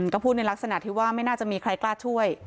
ก็พูดในลักษณะที่ว่าไม่น่าจะมีใครกล้าช่วย